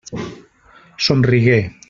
Somrigué.